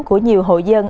của nhiều hội dân